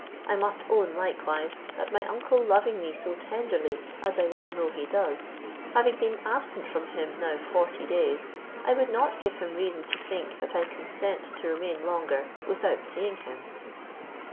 I must own, likewise, that my uncle loving me so tenderly, as I well know he does, having been absent from him now forty days, I would not give him reason to think, that I consent to remain longer without seeing him."